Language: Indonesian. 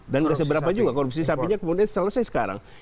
dan enggak seberapa juga korupsi sapinya kemudian selesai sekarang